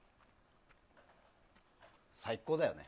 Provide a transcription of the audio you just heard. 最高だよね。